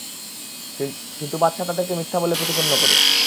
কিন্তু বাদশাহ তাদেরকে মিথ্যা প্রতিপন্ন করে।